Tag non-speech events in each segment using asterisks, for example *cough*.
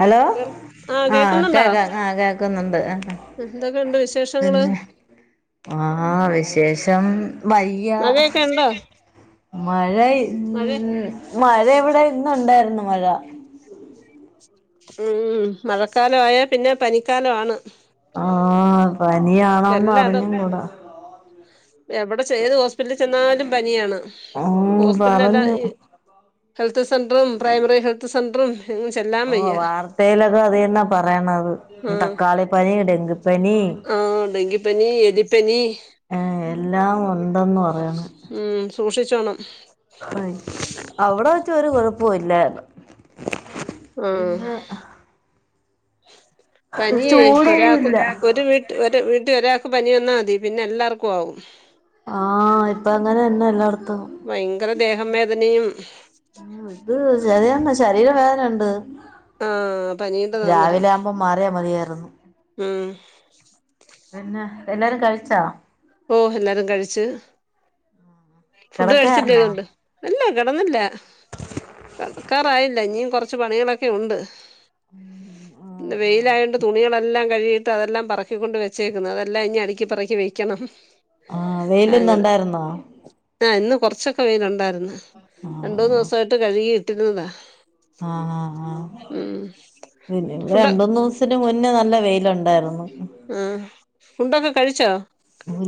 Hello കേൾ ആഹ് ആ കേക്കുന്നുണ്ടോ കേക്ക ആ കേൾക്കുന്നുണ്ട് എന്തൊക്കെയുണ്ട് വിശേഷങ്ങള് പിന്നെ ആ ശേഷം വയ്യ മഴയൊക്കെ ഉണ്ടോ മഴ മഴ ഉ മഴ എവിടെ ഇന്ന് ഉണ്ടായിരുന്നു മഴ ഉം മഴക്കാലം ആയ പിന്നെ പനിക്കാലണ് ആ പനിയാണോന്ന് അറിഞ്ഞും കൂട എവിടെ ചെയ്ത് ഹോസ്പിറ്റലിൽ ചെന്നാലും പനിയാണ് ഉം ഹോസ്പിറ്റല അല്ലാം പറഞ്ഞു ഹെൽത്ത് സെൻറും പ്രൈമറി ഹെൽത്ത് സെൻറും ഓ വാർത്തയിലൊക്കെ അതെന്നെ പറയണത് തക്കാളിപ്പനി ഡെങ്കു ആ ഡങ്കിപ്പനി എലിപ്പനി ഉണ്ടന്ന് പറയന്ന് ഉം സൂക്ഷിച്ചോണം അവിടെ വെച്ച് ഒരു കുഴപ്പവും ഇല്ലായിരുന്നു ആ പിന്നെ പനിയേ ഒരാക്ക് ചൂടൊന്നുല്ല ഒരു ഒരു വീട്ടൽ ഒരാ പനി വന്നാൽ മതി പിന്നെ എല്ലാർക്കും ആവും ആ ഇപ്പ അങ്ങനെന്നെ എല്ലായിടത്തും ഭയങ്കര ദേഹം വേദനയും ഉ ഇത് ശരിന്ന ശരീര വേദന ഉണ്ട് ആഹ് പനീന്റെ തോന്നലാ രാവിലെ ആവുമ്പോ മാറിയാ മതിയായിരുന്നു ഉം പിന്നെ എല്ലാരും കഴിച്ചാ ഓ എല്ലാരും കഴിച്ച് ഫുഡ് കിടക്കായിരുന്നോ കഴിച്ചില്ലേതുകൊണ്ട് എല്ല കിടന്നില്ല കിടക്കാറായില്ല ഇനിയും കൊറച്ച് പണികളൊക്കെ ഉണ്ട് ഉം വെയിലായതണ്ട് തുണികെല്ലാം കഴുകയിട്ട് അതെല്ലാം പെറക്കിക്കൊണ്ട് വച്ചേക്കുന്ന് അതെല്ലാം ഇനി അടുക്കി പെറക്കി വെക്കും വെക്കണം ആഹ വെയിലൊന്ന അങ്ങനെ ഇണ്ടായിരുന്നോ ആ ഇന്ന് കുറച്ചൊക്കെ വെനുണ്ടായിരുന്നു രണ്ട മൂന്ന് ആഹ് ദിവസമായിയിട്ട് കഴുകി ഇട്ടിരുന്നതാ ആഹ് ആഹ് ആ ഉം പിന്നെ ഫുഡ് രണ്ടന്ന്ു ദിവസ മുന്നേ നല്ല വെയിലുണ്ടായിരുന്നു ആ ഫണ്ടൊക്കെ കഴിച്ചോ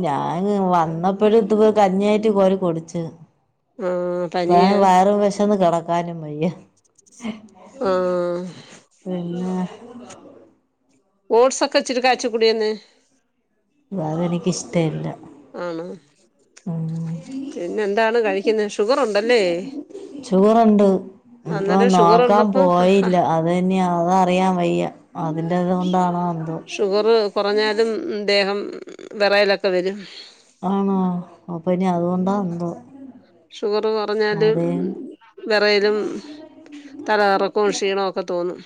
ഞാൻ വന്നപ്പോഴും ഇത് കഞ്ഞായിട്ട് കോല കൊടിച്ചു ആ പ പനിയ വയറ വിശന്ന് കിടക്ക കാന വയ്യ ആ പിന്നെ ണ ഓട്്സ് ഒക്കെ ഇച്ചിട്ട് കാച്ച കൂടിയന്ന്െ അതത എനിക്കിഷ്ടമല്ല ആണ പിന്നെ എന്താണ് കഴിക്കുന്നത് ഷുഗർ ഉണ്ടല്ലേ അപ്പൊ അന്നേരം ഷുഗർ നോക്കാൻ ഉള്ളപ്പം പോയില്ല അത് തന്നെയാ അത് അറിയാൻ വയ്യ അതിന്റേത് കൊണ്ടാണോ എന്തോ ഷുഗർ കുറഞ്ഞാലും ദേഹം വിറയലൊക്കെ വരും ആണോ അപ്പൊ ഇനി അതുകൊണ്ടാ എന്തോ ഷുഗർ കുറഞ്ഞാല് അതെ വെറയലും തലകറക്കവും ക്ഷീണവും ഒക്കെ തോന്നും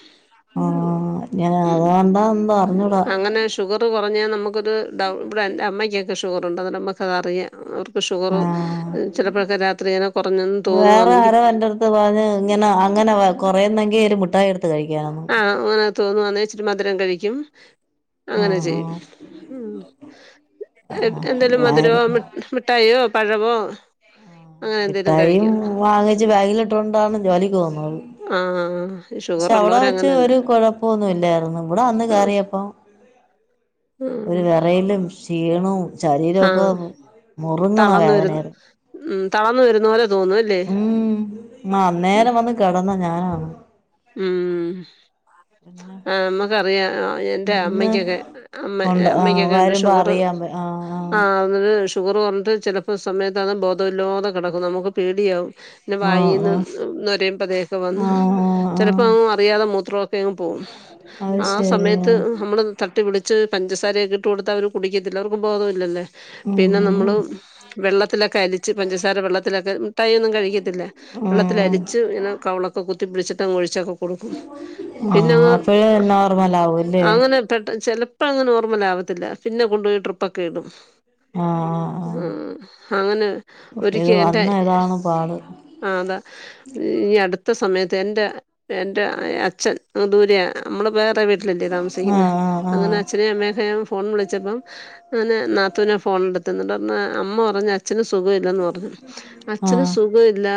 ആഹ് ഞാൻ ഉം അതുകൊണ്ടാ എന്തോ അറിഞ്ഞൂടാ അങ്ങനെ ഷുഗറ് കൊ റഞ്ഞാൽ നമുക്കൊരു ഡൗ ഇവിടെ എന്റെ അമ്മക്കൊക്കെ ഷുഗറുണ്ട് അന്നേരം നമുക്കതറിയാം ഷുഗർ ആഹ് ചിലപ്പോഴൊക്കെ രാത്രി ഇങ്ങനെ കുറഞ്ഞെന്ന് വേറെ തോന്നുവാണെങ്കിൽ ആരോ എന്റെ അടുത്ത് പറഞ്ഞ് ഇങ്ങനെ അങ്ങനെ കൊറയന്നെങ്കി ഒരു മു ട്ടായി എടുത്ത് കഴിക്കണോന്ന് തോന്നുവാന്നേ ഇച്ചിരെ മധുരം കഴിക്കും അങ്ങനെ ആഹ് ചെയ്യും ഉം ആഹ് *unintelligible* എന്തേലും മധുരോ ആഹ് മിഠായോ പഴവോ ആ മിട്ടായിം വാങ്ങിച്ച് ബാഗിലിട്ടോണ്ടാണ് ജോലി പോന്നത് ഷുഗർള്ളോ ത് ഒരു കൊഴപ്പൊന്നുല്ലാര്ന്നു ഇവടെ വന്ന് ആ കേറിയപ്പോ ഒരു ആ വെറയലും ക്ഷീണവും ആ ശരീരൊക്കെ മുറുങ്ണ തളർന്നു വരുന്നു വേദനാര് ഉം തളർന്നു വരുന്ന പോലെ തോന്നും അല്ലേ ഉം നന്നേ ഉം ങ്ങനെ വന്ന് കെടന്ന ഞാനാണ് ഉം പിന്നെ ആ നമ്മക്കറിയാ എന്റെ ഇന്ന് അമ്മക്കൊക്കെ അമ്മ ഉണ്ട് ആ അമ്മക്കൊക്കെ ണ്ട് വരുമ്പോ ഷുഗർ അറിയാൻ പ ആ ആ *unintelligible* ഷുഗർ കൊർഞ്ട്ട് ചെലപ്പോ സമയത്താന്ന് ബോധവില്ലാതെ കെടക്കും നമുക്ക് പേടിയാവും പിന്നെ വായിന്ന് നുരം പതൊക്കെ വന്നു ആ ആ ആ ആ ചെലപ്പോ അറിയാതെ മൂത്രമൊക്കെങ് പോകും അത് ആ ശരിയാ സമയത്ത് നമ്മള് തട്ടി വിളി ച്ച് പഞ്ചസാരയൊക്കെ ഇട്ട് കൊടുത്ത അവർ കുടിക്കത്തില്ല അവർക്ക് ബോധവില്ലല്ലേ പിന്നെ ഉം നമ്മള് വെള്ള ത്തിലൊക്കെ അലിച്ച് പഞ്ചസാര വെള്ളത്തിലൊക്കെ ട്ടായൊന്നും കഴിക്കത്തില്ല ഉം വെള്ളത്തിലിച്ച് *unintelligible* കവിളൊക്കെ കുത്തി പിട്ച്ച്ട്ട് അങ്ങ് ഒഴിച്ചൊക്കെ കൊടുക്കും ആ പിന്നെ അങ്ങ് അപ്പഴേ നോർമൽ ആവൂല്ലേ അങ്ങനെ പെട്ട ചെല പ്പത് നോർമലാവത്തില്ല പിന്നെ കൊണ്ടോയി ട്രിപ്പൊക്കെടും ആ ആ അ അങ്ങനെ ആ ഒരിക്ക ഇത് എന്റെ വന്ന ഇതാണ് പാട് ആ അതാ ഈ അട് ത്ത സമയത്ത് എൻ്റെ എൻ്റെ അച്ഛൻ ദൂരെ നമ്മള വേറെ വീട്ടിലല്ലേ ആ താമസിക്കുന്നേ ആ ആ അങ്ങനെ അച്ചനേം അമ്മനേം ഞാൻ ഫോൺ വിളി ച്ച പ്പൊ അങ്ങനെ നാത്തുനാ ഫോണെടുത്തത് ഇന്ന്ട്ട് പറഞ്ഞു അമ്മ പറഞ്ഞു അച്ഛന് സുഖം ഇല്ലെന്ന് പർഞ്ഞു ആ അച്ഛന് സുഖ ഇല്ല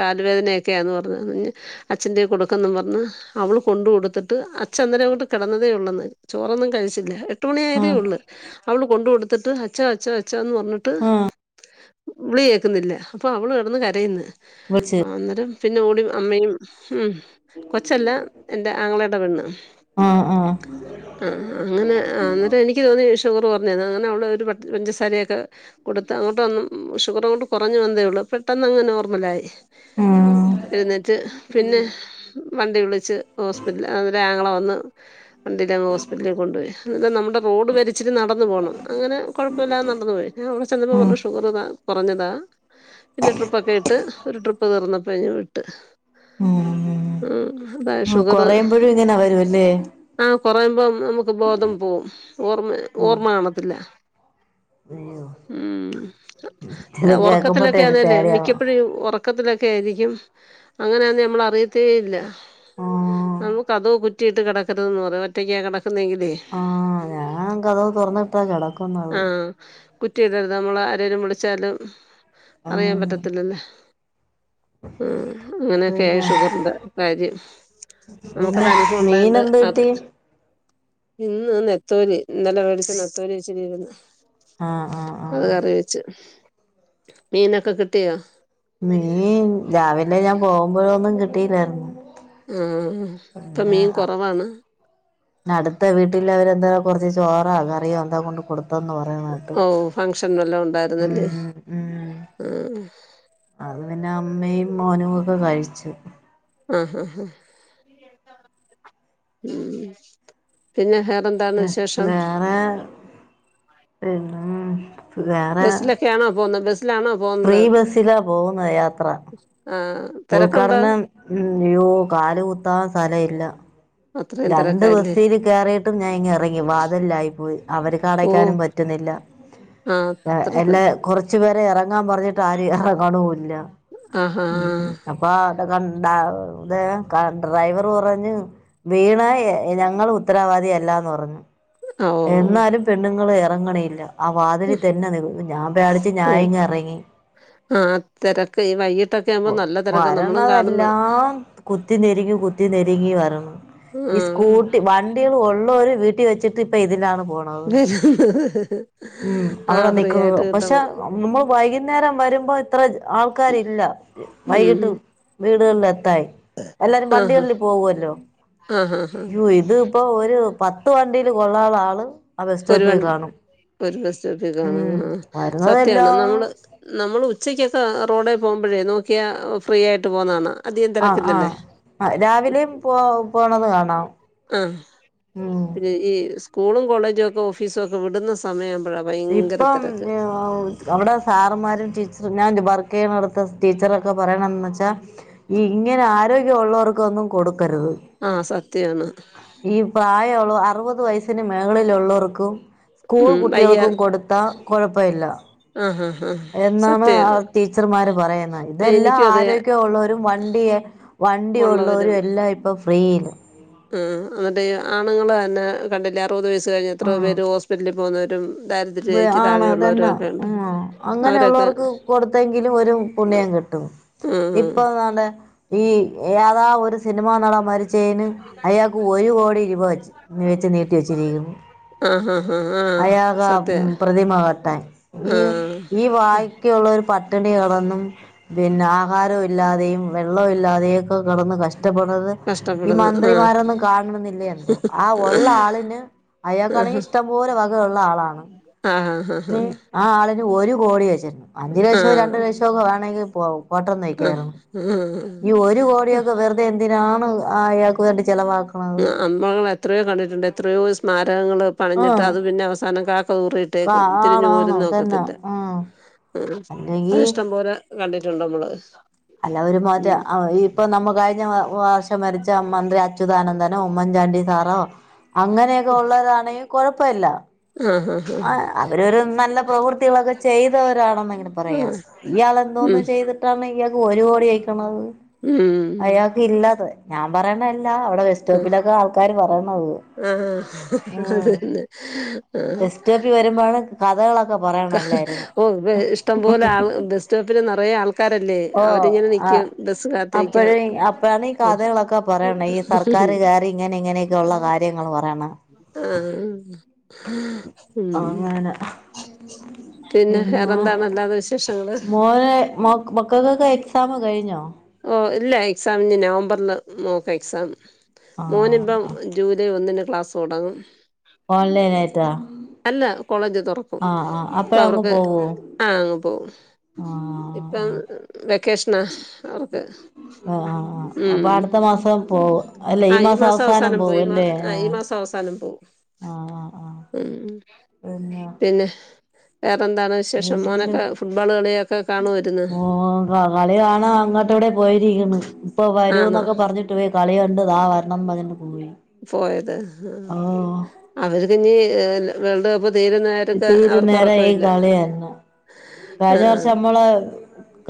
കാല് വേദനക്ക്യാന്ന് പറഞ്ഞു അച്ഛൻ്റെ കൊട്ക്കെന്നും പറഞ് അവള് കൊണ്ട് കൊടുത്തിട്ട് അച്ചന്നേരം ങ്ങോട്ട് കെടന്നതേ ഉള്ളെന്നേ ചോറൊന്നും കഴി *unintelligible* എട്ട് മണി ആ ആയതേഒള്ളു അവള് കൊണ്ട് കൊടുത്തിട്ട് അച്ചാ അച്ചാ അച്ചാന്ന് പറഞ്ഞിട്ട് ആ വിളി കേക്കുന്നില്ല അപ്പൊ അവള് കിടന്ന് കരയുന്നു അ വിളിച്ച് അന്നേരം പിന്നെ ഓടി അമ്മയും ഉം കൊച്ചല്ല എൻ്റെ ആങ്ങളേടെ പെണ്ണ് ആഹ് ആഹ് ആ അങ്ങനെ അന്നേരം എനിക്ക് തോന്നി ഷു ഷുഗറ് കുറഞ്ഞതാന്ന് അങ്ങനെ അവള് ഒരു പെട്ട പഞ്ചസാരയൊക്കെ കൊടുത്ത് അങ്ങോട്ടൊന്നും ഷുഗറങ്ങോട്ട് കൊറഞ്ഞു വന്നേതേ ഒള്ളൂ പെട്ടെന്നങ്ങ് നോർമലായി ആഹ് എഴുന്നിറ്റ് പിന്നെ വണ്ടി വിളിച്ച് ഹോസ്പിറ്റല അ ഒര് ആ ണ് വന്ന് വണ്ടിലങ്ങ് ഹോസ്പിറ്റലി കൊണ്ടുപോയി അതാ നമ്മുടെ റോഡ് വരെ ഇച്ഛരെ നടന്നു പോണം അങ്ങനെ കൊഴപ്പവില്ലാതെ നടന്നു പോയി അവിടെ ചെന്നപ്പോ ആഹ് പറഞ്ഞു ഷുഗറ് താ കുറഞ്ഞതാ പിന്നെ ട്രിപ്പൊക്കെ ഇട്ട് ഒരു ട്രിപ്പ് തീർന്നപ്പോ ഇങ്ങു വിട്ട് ആഹ് ആ അതാ ഓഹ് ഷുഗറ് കൊറയുമ്പഴും ഇങ്ങനെ വരുവല്ലേ ആ കുറയുമ്പോം നമുക്ക് ബോധം പോവും ഓർമ്മ ഓർമ്മ കാണത്തില്ല അയ്യോ ഉം കേക്കുമ്പട്ടെ ഉറക്കത്തിലൊക്കെ ഒരു ആന്നല്ലേ പേടിയാവും മിക്കപ്പോഴും ഉറക്കത്തിലൊക് ക്കെ ആരിക്കും അങ്ങനാന്നു നമ്മളറിയത്തേ ഇല്ല ആഹ് നമുക്കതു റ്റിയിട്ട് കൊടുക്കരുതെന്ന് പറ ഒറ്റയ്ക്കാ കിട ക്കുന്നേങ്കിലേ ആഹ് ഞാൻ കതവ് തുറന്നിട്ടാ കിടക്കുന്നത് ആഹ് കുറ്റിയിടരുത് നമ്മൾ ആരേലും വിളിച്ചാലും അറിയാൻ ആഹ് പറ്റത്തില്ലല്ലേ ഉം അങ്ങനെയൊക്കെയായി പിന്നെ ഷുഗറിന്റെ കാര്യം. നമുക്കത് പിന്നെ അനുഭവം മീൻ ഉണ്ടായണ്ട് എന്ത് അത് കിട്ടി ഇന്ന് നെത്തോലി ഇന്നലെ വേടിച്ച നത്തോലി വച്ചിരിന്ന് ആഹ് ആഹ് അത് ആഹ് കറി വച്ച്. മീനൊക്കെ കിട്ടിയോ? മീൻ രാവില ഞാൻ പോകുമ്പോഴൊന്നും കിട്ടില്ലായിരുന്നു ആഹ് ഇപ്പൊ മീൻ കുറവാണ്. പി അടുത്ത വീട്ടില് അവരെ എന്താ കൊറച്ച് ചോറാ കറിയോ എന്താ കൊണ്ട് കൊടുത് ത്തന്ന് പറേന്നെകേട്ട് ഓ ഫംഗ്ഷൻ വല്ലതും ഉണ്ടായിരുന്നല്ലേ ഉം ഉം ആ അത് പിന്നെ അമ്മയും മോനു ഒക്കെ കഴിച്ചു. ആ ഹ ഹാ പിന്നെ ഹാപ് വേറെ പിൻ ബസ്സിലൊക്കെയാണോ പോന്നെ ബസ് ഫ്രീ ബസിലാ പോവുന്ന യാത്ര. ആ തിരക്കുണ്ടോ ഉൾഘാടനം ഉം അയ്യോ കാല് കുത്താൻ സ്ഥലഇല്ല. അത്രയും രണ്ട് തിരക്കല്ലേ ബസ്സില് കേയറിയിട്ടും ഞാനിങ്ങ് ഇറങ്ങി. വാതിലിലായിപോയി അവർക്ക് ഓ അടയ്ക്കാനും പറ്റുന്നില്ല. ആ അത്ര തിരക്ക് എല്ലാ കൊറച്ചു പേരെ ഇറ ങ്ങാൻ പറഞ്ഞിട്ട് ആരും ഉറങ്ങണോ ഇല്ല ആഹാ അപ്പ അ കണ്ട തെ കണ്ട് ഡ്രൈവർ പറഞ്ഞു വീണാ ഞങ്ങൾ ഉത്തരവാദി അല്ലാന്ന് പറഞ്ഞു. ആ ഓ എന്നാലും പെണ്ണുങ്ങൾ ഇറങ്ങണില്ല. ആ വാതിലി തന്നെ നിന്നു. ഞാൻ പേടിച്ച് ഓ ഞാനിങ്ങ് ഇറങ്ങി. ആ തിരക്ക് ഈ വൈകിട്ടൊക്കെ ആകുമ്പോൾ നല്ല തിരക്കാണ് നമ്മളും കാണുന്നു വരണതെല്ലാം കുത്തി നെരിങ്ങി കുത്തി നെരിങ്ങി വരണ്. ആ ഈ സ്കൂട്ടി വണ്ടികൾ ഉള്ളോര് വീട്ടിൽ വെച്ചിട്ട് ഇപ്പൊ ഇതിലാണ് പോണത്. ഉം വരുന്നത് ആ അവിടെ ഫ്രീ നിക്കുന്നത്. ആയിട്ട് പക്ഷെ കിട്ടുമ്പോൾ നമ്മൾ വൈകി കുന്നേരം വരുമ്പോ ഇത്ര ആൾക്കാരില്ല. ഉം വൈകിട്ട് വീടുകളില ലായി. എല്ലാരും ആഹാ വണ്ടികളിൽ പോവുഅല്ലോ, ആഹാ ഹാ അയ്യോ ഇത് ഇപ്പോ ഒരു പത് ത്ത് വണ്ടിയില് കൊള്ളാനുള്ള ആള് ആ ബസ് ഒരു സ്റ്റോപ്പിൽ വണ്ടി കാണും. ഒരു ബസ് സ്റ്റോപ്പി കാണും. ഉം ആ സത്യാണ് നമ്മള് വരുന്നതെല്ലാം നമ്മൾ ഉച്ചക്കൊക്കെ റോഡേ പോകുമ്പോഴേ നോക്കിയാ ഫ്രീ ആയിട്ട് പോന്ന കാണാം. ആ ആ ആ രാവിലെയും പോ പോണത് കാണാം. ആ ഉം പിന്നെ ഈ സ്കൂളും കോളേജും ഒക്കെ ഓഫീസ ഒക്കെ വിടുന്ന സമയം ഇപ്പം അവിടെ സാറന്മാരും ചേച്ചി ഞാൻ വർക്ക് ചെയ്യണോടത്ത് ടീച്ചറൊക്കെ പറയണന്ന് വെച്ചാൽ ഈ ഇങ്ങനെ ആരോഗ്യം ഉള്ളവർക്ക് ഒന്നും കൊടു ക്കരുത്. ആ സത്യാണ് ഈ പായം അറുപത് വയന് മേളിലുള്ളവർക്കും സ്കൂൾ ഉം വയ്യ കുട്ടികൾക്കും കൊടുത്താ കുഴപ്പമില്ല. ആ ഹാ ഹാ എന്നാണ് സത്യാ ആ ടീച്ചർമാര് പറയുന്നേ. ഇതെല്ലാം എനിക്കും അതെ ആരോഗ്യഉള്ളോരും വണ്ടിയെ വണ്ടി ഉള്ളവരും ഉള്ളോരും എല്ലാം ഇപ്പം ഫ്രീയില് ആ എന്നിട്ട് ആണുങ്ങൾ അതെന്നെ കണ്ടില്ലേ അറുപത് വയസ്സ് കഴിഞ്ഞ് എത്ര പേര് ഹോസ്പിറ്റലിൽ പോന്നോരും വ് ആണ് തന്നെ ഉം അവരൊക്കെ അങ്ങനെയുള്ളവർക്ക് കൊടുത്തെങ്കിലും ഒരു പുണ്യം കിട് ട്ടും. ആ ആ ഇപ്പൊ അതെ ഈ ഏതാ ഒരു സിനിമ നടൻ മരിച്ചയിന് അയാൾക്ക് ഒരു കോടി രൂപ വെച്ച് വെച്ച് നീട്ടി വെച്ചിരിക്കുന്നു ആഹ് ആഹ് ആഹ് ആഹ് അയാക സത്യ പ്രതിമ കട്ടാൻ. ഈ ആഹ് ഈ വാക്കിയുള്ളോരു പട്ടിണിക വന്നും പിന്നെ ആഹാരം ഇല്ലാതെയും വെള്ളം ഇല്ലാതെയു ഒക്കെ കെടന്ന് കഷ് ഇഷ്ടപ്പെടുന്നത് ഈ മ കഷ്ടപ്പെടുന്നു ആഹ് ണെങ്കിൽ ഇഷ്ടം പോലെ വക ഇള്ള ആളാണ് ആഹ് ആഹ് ആഹ് വി ആ ആളിന് ഒരു കോടി വെച്ചിരുന്നു അഞ്ചു ലക്ഷോ രണ്ടു ലക്ഷോ ഒക്കെ വേണെങ്കിൽ പോവും ഓട്ടം ആഹ് നയിക്കാര്ന്നു ആഹ് ആഹ് ഈ ഒരു കോടിയൊക്കെ വെറുതെ എന്തിനാണ്. ആ അയാക്ക് വേണ്ടി ചെലവാക്ക്ണത് ഇപ്പ ഈ സ്മാരകങ്ങള് പണിഞ്ഞിട്ട് അത് പിന്നെ അവസാനം കാ കാ കോറീട്ടേക്കുന്നു തിരിഞ്ഞ് പോലും ആണാണ് തന്നെ നോക്കത്തില്ല ആഹ് അ അത് അല്ലെങ്കി ഇഷ്ടം പോലെ കണ്ടിട്ടുണ്ട് നമ്മള് അല്ല ഒരു മാറ്റ ഉം അ ഇപ്പൊ നമ്മ കഴിഞ്ഞ വ വർഷം മരിച്ച മന്ത്രി അ അച്യുതാനന്ദനോ ഉമ്മൻചാണ്ടി സാറോ അങ്ങനെയൊക്കെ ഉള്ളരാണെങ്കിൽ കൊഴപ്പല്ല. ആഹ് ആഹ് ആ അവരൊരു നല്ല പ്രവൃത്തികളൊക്കെ ചെയ്തവരാണെന്നെങ്കിലും പറയാം ആഹ് ഇയാൾെന്തോന്ന് ഉം ചെയ്ത്ട്ടാണ് ഇയാക്ക് വോ ഉം ഞാ അവിടെ ആഹ് വെസ്റ്റോപ്പിലൊക്കെ ആൾക്കാര് പറയുന്നൊള്ളു ആഹ് അത് ഉം തന്നെ ബെസ്റ്റോപ്പി വരുമ്പോണ് കഥകളൊ ക ഹ് ഓ വെ ഇഷ്ടം പോലെ ആള് ബസ്റ്റോപ്പില് നറയെ ആള് ഓ അ കാത്തിരിക്കാൻ അപ്പഴെ അപ്പഴാണ് ഈ കഥകളൊക്കെ പറയണേ ഈ സർക്ക ക്കാറ് ക്കാറ് ഇങ്ങനെ ഇങ്ങനെയൊക്കെ ഉള്ള കാര്യങ്ങൾ പറയണെ ആ ഹ മ് അങ്ങനെ മ് പിന്നെ വേറെന്താണ് അല്ലാതെ വിഷ മോനെ മോക്ക് മക്കൾക്കൊക്കെ എക്സാം കഴിഞ്ഞോ ഇപ്പ ഇല്ല എക്സാം ഇനി നവംബറിൽ നോക്കാ എക്സാം. ആ മോന് ഇപ്പം ജൂലൈ ഒന്നിന് ക്ലാസ് ടങ്ങും ഓൺലൈൻ ആയിട്ടാ കോളേജ് തുറക്കും ആ ആ ഇപ്പൊ അപ്പഴ അങ്ങ് അവർക്ക് പോവോ ആഹ് അങ്ങ് പോകും ആ ഇപ്പം ആ വെക്കേഷനാ അവക്ക് ഒ ആ ആ അപ്പൊ അട്ത്ത മാസം പോവു അല്ല ഈ ആഹ് മാസം അവ ന്താലും പോവും ആ ഉം പിന്നെ ഏ എന്ന വിശേഷം വീട്ടില് മോനൊക്കെ ഫുട്ബോള് കളി ഓ ഞ്ഞിട്ട് പോയി ആണോ കളകണ്ട് ദാ വരണം പറയ്ന്ന് പോയത് ഹ് അവര് തന്നെ എ വേൾഡ് കപ്പ് തീരുന്നവർക്ക് തീരു അവർക്ക് നേരം ഈ ഉറക്കമില്ല കളിയെന്നെ ആ കഴിഞ്ഞ വർഷം മ്മള്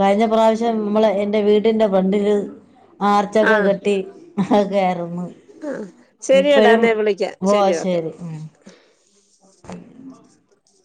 കഴിഞ്ഞ പ്രാവശ്യം മ്മള് എന്റെ വീടിന്റെ ഫ്രണ്ടില് ആ ആർച്ചൊക്കെ കെട്ടി ഹ് ക്കെര്ന്നു ആ ശരിയടാ എന്ന ഞാൻ വിളിക്കാ ഓ ശരി ഓക്കെ. ഉം *unintelligible*